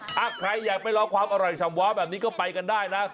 ถ้าใครอยากไปลองความอร่อยชำว้าแบบนี้ก็ไปกันได้นะ